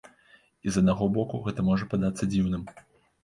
І з аднаго боку, гэта можа падацца дзіўным.